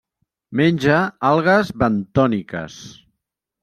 Menja algues bentòniques.